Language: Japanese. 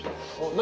何？